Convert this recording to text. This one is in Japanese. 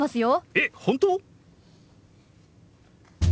えっ本当？